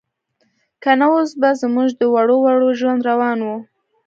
که نه اوس به زموږ د وړو زړو ژوند روان و.